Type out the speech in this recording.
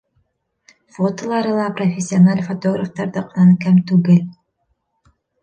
Фотолары ла профессиональ фотографтарҙыҡынан кәм түгел.